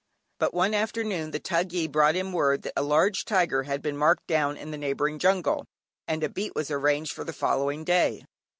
But one afternoon the Thugyi brought in word that a large tiger had been marked down in the neighbouring jungle, and a beat was arranged for the following day.